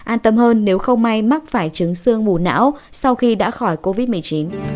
an tâm hơn nếu không may mắc phải trứng xương mù não sau khi đã khỏi covid một mươi chín